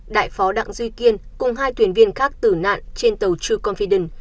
đại phó đặng duy kiên cùng hai tuyển viên khác tử nạn trên tàu true confidence